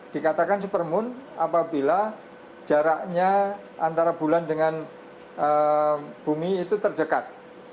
dikatakan supermoon apabila jaraknya antara bulan dengan bumi itu terdekat